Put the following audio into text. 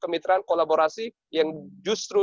kemitraan kolaborasi yang justru